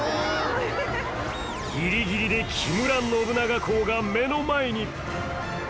ギリギリで木村信長公が目の前に。